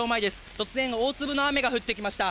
突然、大粒の雨が降ってきました。